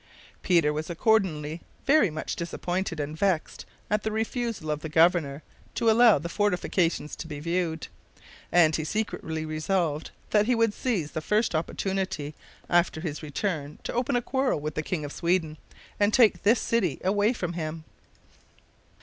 Peter was accordingly very much disappointed and vexed at the refusal of the governor to allow the fortifications to be viewed, and he secretly resolved that he would seize the first opportunity after his return to open a quarrel with the King of Sweden, and take this city away from him.